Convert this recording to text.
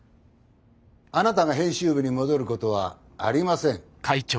あなたが編集部に戻ることはありません。